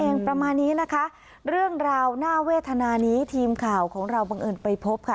ในราวหน้าเวทนานี้ทีมข่าวของเราบังเอิญไปพบค่ะ